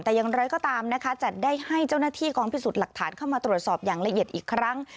แต่อย่างไรก็ตามนะคะจะได้ให้เจ้าหน้าที่กองพิสูจน์หลักฐานเข้ามาตรวจสอบอย่างละเอียดอีกครั้ง